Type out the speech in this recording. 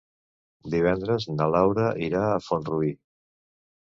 Divendres na Laura irà a Font-rubí.